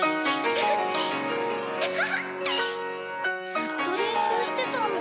ずっと練習してたんだ。